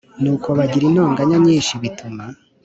Nuko bagira intonganya nyinshi bituma